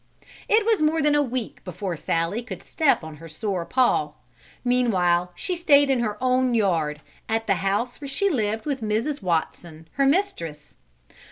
It was more than a week before Sallie could step on her sore paw. Meanwhile she stayed in her own yard at the house where she lived with Mrs. Watson, her mistress.